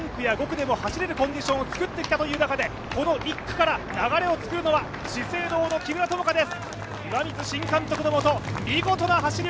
３区や５区でも走れるコンディションを作ってきたという中でこの１区から流れを作るのは資生堂の木村友香です。